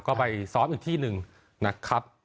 ก็ไปซ้อมอีกที่หนึ่งนะครับ